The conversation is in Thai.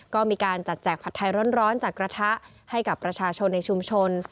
ก็มีการจัดแจกผัดไทยร้อนจากกระทะให้กับประชาชนในชุมชน